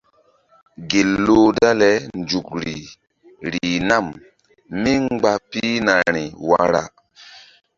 Gel loh dale nzukri rih nam mí mgba pihnari wara.